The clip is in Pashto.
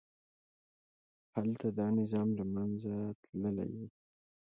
هلته دا نظام له منځه تللي وو.